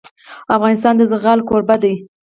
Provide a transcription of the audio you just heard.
افغانستان د زغال کوربه دی.